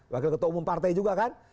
wakil ketua umum partai juga kan